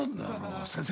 先生